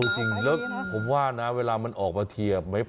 จริงแล้วผมว่านะเวลามันออกมาที